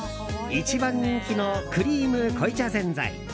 一番人気のクリーム濃茶ぜんざい。